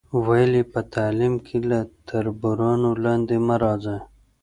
ویل یې، په تعلیم کې له تربورانو لاندې مه راځئ.